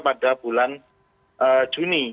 pada bulan juni